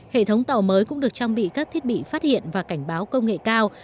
hệ thống tàu mới cũng được trang bị các thiết bị phát hiện và cảnh báo công nghệ cao